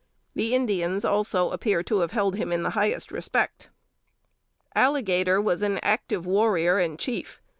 The Indians, also, appear to have held him in the highest respect. Alligator was an active warrior and chief.